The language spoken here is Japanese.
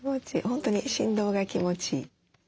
本当に振動が気持ちいい。